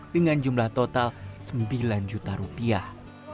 dengan jumlah total sembilan juta rupiah